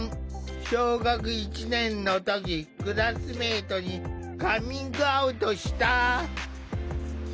小学１年の時クラスメートにカミングアウトした。